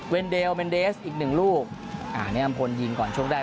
เดลเมนเดสอีกหนึ่งลูกอ่านี่อำพลยิงก่อนช่วงแรก